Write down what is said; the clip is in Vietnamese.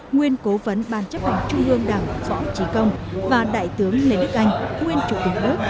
nguyên cố vấn ban chấp hành trung ương đảng võ trí công và đại tướng lê đức anh nguyên chủ tịch nước